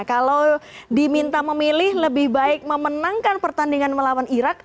kalau diminta memilih lebih baik memenangkan pertandingan melawan irak